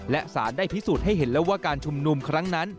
และสารได้พิสูจน์ให้เห็นแล้วว่าการชุมนุมครั้งนั้น